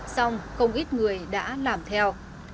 xong không ít người đã làm theo